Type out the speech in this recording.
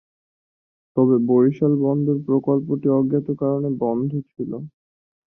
তবে বরিশাল বন্দর প্রকল্পটি অজ্ঞাত কারণে বন্ধ ছিল।